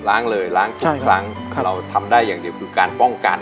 ล้างเลยล้างทุกครั้งเราทำได้อย่างเดียวคือการป้องกัน